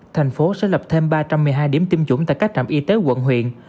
thành phố sẽ lập thêm ba trăm một mươi hai điểm tiêm chủng tại các trạm y tế quận huyện